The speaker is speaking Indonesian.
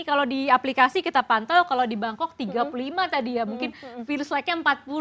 kalau di aplikasi kita pantau kalau di bangkok tiga puluh lima tadi ya mungkin virus like nya empat puluh